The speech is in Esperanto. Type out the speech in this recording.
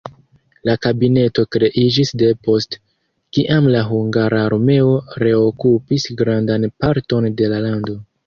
La kabineto kreiĝis depost kiam la hungara armeo reokupis grandan parton de la lando.